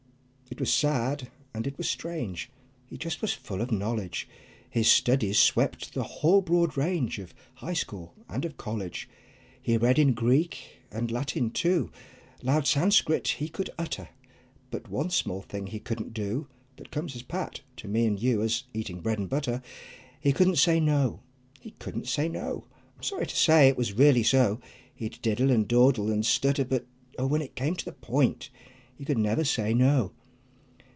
[[I]]t was sad and it was strange! He just was full of knowledge, His studies swept the whole broad range Of High School and of College; He read in Greek and Latin too, Loud Sanscrit he could utter, But one small thing he couldn't do That comes as pat to me and you As eating bread and butter: He couldn't say "No!" He couldn't say "No!" I'm sorry to say it was really so! He'd diddle, and dawdle, and stutter, but oh! When it came to the point he could never say "No!"